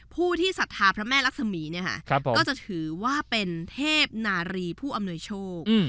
ผู้ที่ศรัทธาพระแม่รักษมีเนี่ยค่ะก็จะถือว่าเป็นเทพนารีผู้อำนวยโชค